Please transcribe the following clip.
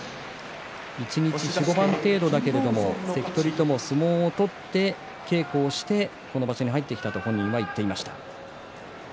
一日４、５番程度だけれども関取とも相撲を取って稽古をしてこの場所に入ってきたと本人は言っていました。